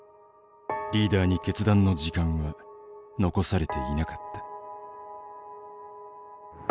リーダーに決断の時間は残されていなかった。